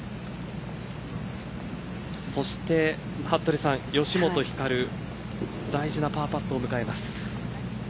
そして服部さん、吉本ひかる大事なパーパットを迎えます。